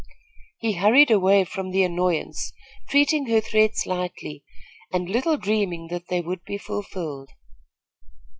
He hurried away from the annoyance, treating her threats lightly, and little dreaming that they would be fulfilled.